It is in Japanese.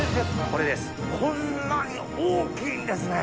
こんなに大きいんですね！